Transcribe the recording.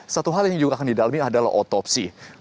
satu hal yang juga akan didalami adalah otopsi